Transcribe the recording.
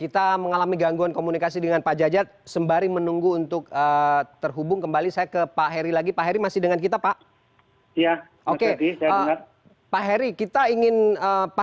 tujuan rumah singgah atau penginapan ini